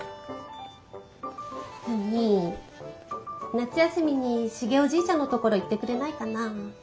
夏休みにシゲおじいちゃんのところ行ってくれないかなあ。